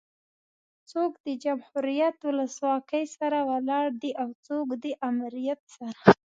څوک د جمهوريت ولسواکي سره ولاړ دي او څوک ده امريت سره